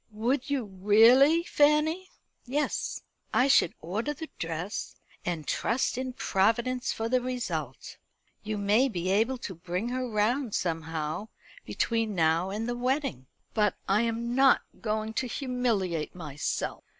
"Would you really, Fanny?" "Yes; I should order the dress, and trust in Providence for the result. You may be able to bring her round somehow between now and the wedding." "But I am not going to humiliate myself.